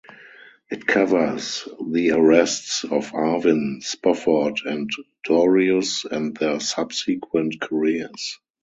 It covers the arrests of Arvin, Spofford, and Dorius, and their subsequent careers.